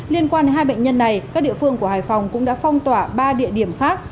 liên quan hai bệnh nhân này các địa phương của hải phòng cũng đã phong tỏa ba địa điểm khác